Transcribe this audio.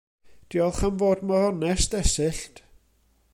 Diolch am fod mor onest Esyllt.